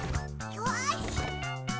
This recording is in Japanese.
よし！